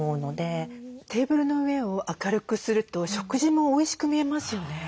テーブルの上を明るくすると食事もおいしく見えますよね。